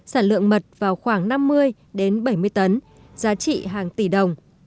sản lượng mật vào khoảng năm mươi bảy mươi tấn giá trị hàng tỷ đồng